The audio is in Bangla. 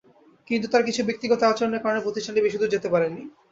কিন্তু তাঁর কিছু ব্যক্তিগত আচরণের কারণে প্রতিষ্ঠানটি বেশি দূর যেতে পারেনি।